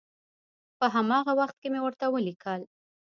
په هماغه وخت کې مې ورته ولیکل.